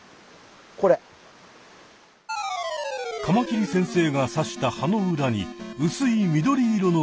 カマキリ先生が指した葉の裏にうすい緑色の物体が！